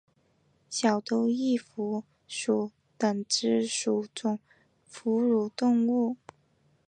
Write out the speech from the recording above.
小兜翼蝠属等之数种哺乳动物。